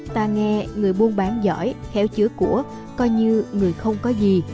ta nghe người buôn bán giỏi khéo chứa của coi như người không có gì